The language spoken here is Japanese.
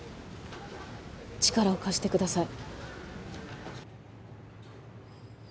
力を貸してください。